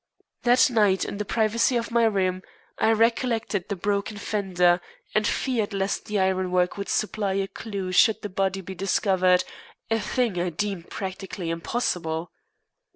That night, in the privacy of my room, I recollected the broken fender, and feared lest the ironwork would supply a clue should the body be discovered, a thing I deemed practically impossible.